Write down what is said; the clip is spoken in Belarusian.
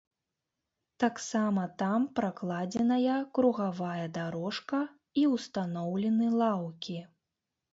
Таксама там пракладзеная кругавая дарожка і ўстаноўлены лаўкі.